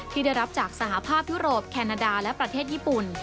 ที่ได้รับจากสหภาพยุโรปแคนาดาและประเทศญี่ปุ่น